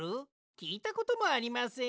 きいたこともありません。